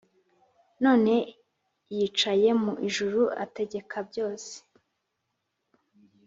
none yicaye mu ijuru ategeka byose